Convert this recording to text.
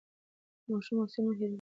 د ماشوم واکسین مه هېروئ.